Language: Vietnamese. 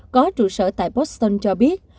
có trụ sở tại boston cho biết